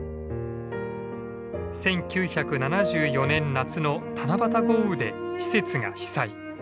１９７４年夏の七夕豪雨で施設が被災。